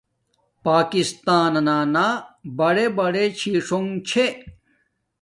پاکستانانا بڑے بڑے چھی ݽنݣ چھے